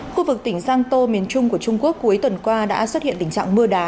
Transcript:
khu vực tỉnh sangto miền trung của trung quốc cuối tuần qua đã xuất hiện tình trạng mưa đá